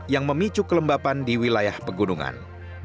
yang memicu kelembapan di wilayah pegunungan